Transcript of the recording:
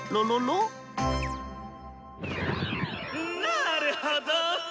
んなるほど！